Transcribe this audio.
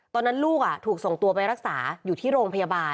ซึ่งแม่ของคนตายก็เดินทางไปติดตามความคืบหน้าที่โรงพักด้วยนะคะ